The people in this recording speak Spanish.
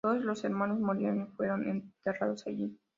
Todos los hermanos murieron y fueron enterrados allí.